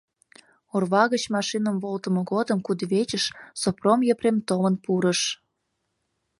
Орва гыч машиным волтымо годым кудывечыш Сопром Епрем толын пурыш.